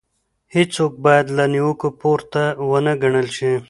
هيڅوک بايد له نيوکې پورته ونه ګڼل شي.